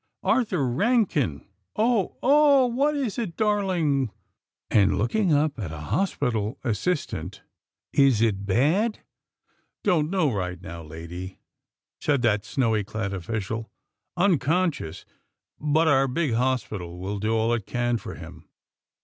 _ Arthur Rankin! Oh! Oh! What is it, darling?" and looking up at a hospital assistant, "Is it bad?" "Don't know, right now, lady," said that snowy clad official. "Unconscious. But our big hospital will do all it can for him."